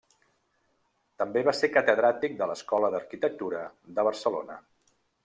També va ser catedràtic de l'Escola d'Arquitectura de Barcelona.